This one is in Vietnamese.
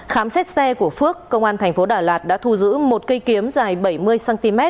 khám xét xe của phước công an thành phố đà lạt đã thu giữ một cây kiếm dài bảy mươi cm